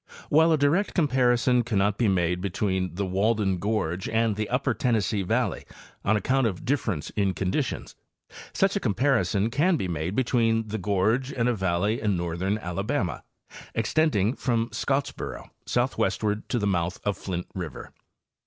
While a direct comparison cannot be made between the Wal den gorge and the upper Tennessee valley on account of differ ence in conditions, such a comparison can be made between the gorge and a valley in northern Alabama, extending from Scotts boro southwestward to the mouth of Flint river.